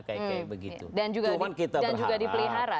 oke begitu dan juga dipelihara